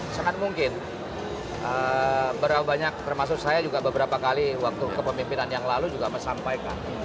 sangat mungkin terutama saya juga beberapa kali waktu kepemimpinan yang lalu juga mesampaikan